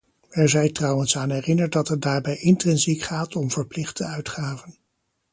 Er zij trouwens aan herinnerd dat het daarbij intrinsiek gaat om verplichte uitgaven.